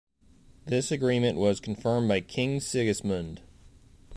This agreement was confirmed by King Sigismund.